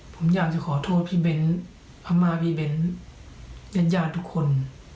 ผมอยากจะขอโทษพี่เบ้นพม่าพี่เบ้นญาติญาติทุกคน